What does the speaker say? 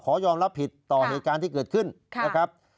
ยอมรับผิดต่อเหตุการณ์ที่เกิดขึ้นนะครับ